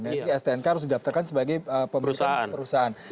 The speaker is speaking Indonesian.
jadi stnk harus didaftarkan sebagai pemerintah perusahaan